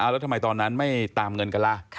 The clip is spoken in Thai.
แล้วทำไมตอนนั้นไม่ตามเงินกันล่ะ